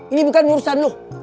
ini bukan urusan lu